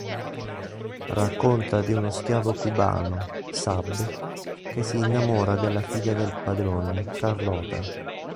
Racconta di uno schiavo cubano, Sab, che si innamora della figlia del padrone, Carlota.